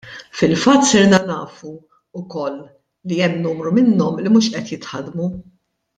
Fil-fatt sirna nafu wkoll li hemm numru minnhom li mhux qed jitħaddmu.